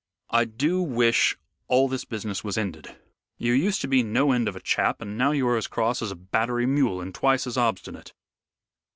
I do wish all this business was ended. You used to be no end of a chap, and now you are as cross as a battery mule and twice as obstinate."